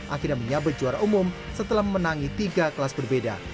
akhirannya berjuara umum setelah memenangi tiga kelas berbeda